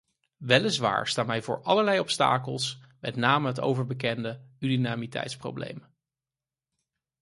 Weliswaar staan wij voor allerlei obstakels, met name het overbekende unanimiteitsprobleem.